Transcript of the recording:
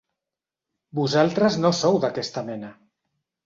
Vosaltres no sou d'aquesta mena!